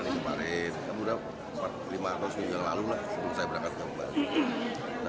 kemudian lima atau tujuh jam lalu lah sebelum saya berangkat kembali